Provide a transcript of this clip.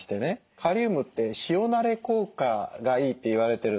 カリウムって塩なれ効果がいいって言われてるんです。